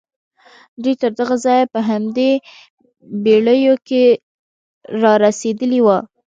دوی تر دغه ځايه په همدې بېړيو کې را رسېدلي وو.